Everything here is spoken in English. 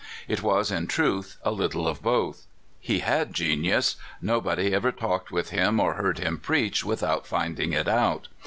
It was, in truth, a little of both. He had genius. Nobody ever talked with him, or heard him preach, with out finding it out.